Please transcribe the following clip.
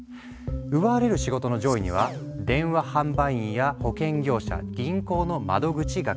奪われる仕事の上位には電話販売員や保険業者銀行の窓口係。